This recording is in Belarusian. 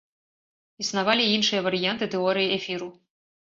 Існавалі і іншыя варыянты тэорыі эфіру.